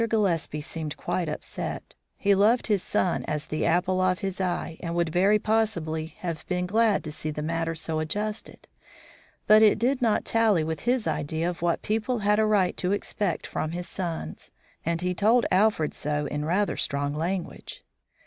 Gillespie seemed quite upset. He loved this son as the apple of his eye, and would very possibly have been glad to see the matter so adjusted, but it did not tally with his idea of what people had a right to expect from his sons, and he told Alfred so in rather strong language.